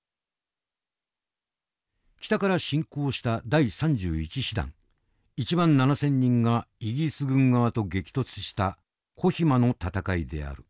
北から進攻した第３１師団１万７，０００人がイギリス軍側と激突したコヒマの戦いである。